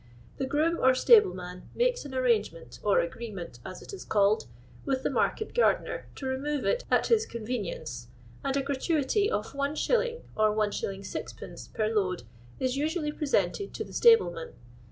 The groom or stable man makes an arrangement, or agreement as it is called, with the market gardener, to remove it at his con venience, and a gratuity of 1^. or 1^. 6(f. per load is usually presented to the stable man.